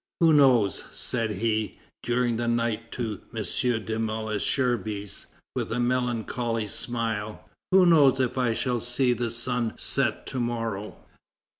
"Who knows," said he during the night to M. de Malesherbes, with a melancholy smile, "who knows if I shall see the sun set to morrow?"